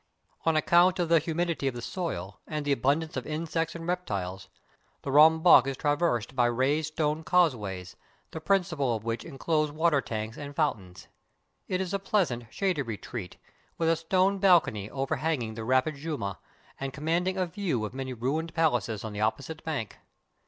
On account of the humidity of the soil, and the abundance of insects and reptiles, the Ram Bagh is traversed by raised stone causeways, the principal of which inclose water tanks and fountains. It is a pleasant, shady retreat, with a stone balcony overhanging the rapid Jumna, and com manding a view of many ruined palaces on the opposite bank.